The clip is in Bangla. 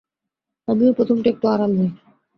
আমিও প্রথমটা একটু আড়াল হই।